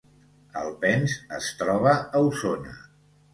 Alpens es troba a Osona